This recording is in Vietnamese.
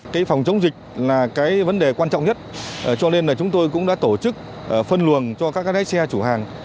cái phòng chống dịch là cái vấn đề quan trọng nhất cho nên là chúng tôi cũng đã tổ chức phân luồng cho các lái xe chủ hàng